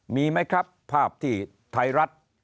มีไหมครับภาพที่ไทยรัฐ